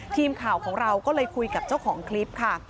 ทีมข่าวของเราก็เลยคุยกับเจ้าของคลิปค่ะ